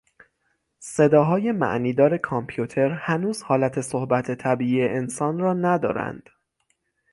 صداهای معنیدار کامپیوتر هنوز حالت صحبت طبیعی انسان را ندارند.